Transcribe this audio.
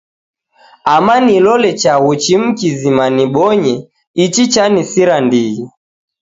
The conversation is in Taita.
Ara nilole chaghu chimu kizima nibonye. Ichi chanisira ndighi.